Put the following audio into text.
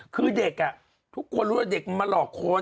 คือเด็กทุกคนรู้ว่าเด็กมันมาหลอกคน